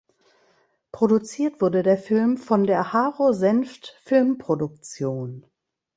Produziert wurde der Film von der Haro Senft Filmproduktion.